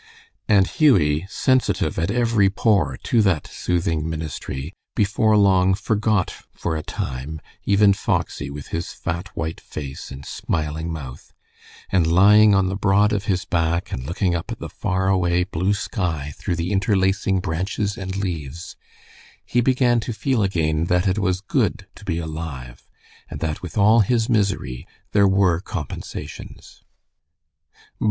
And Hughie, sensitive at every pore to that soothing ministry, before long forgot for a time even Foxy, with his fat, white face and smiling mouth, and lying on the broad of his back, and looking up at the far away blue sky through the interlacing branches and leaves, he began to feel again that it was good to be alive, and that with all his misery there were compensations.